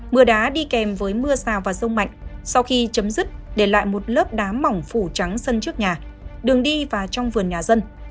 mưa đá đi kèm với mưa rào và rông mạnh sau khi chấm dứt để lại một lớp đá mỏng phủ trắng sân trước nhà đường đi và trong vườn nhà dân